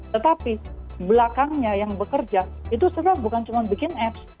tetapi belakangnya yang bekerja itu sebenarnya bukan cuma bikin apps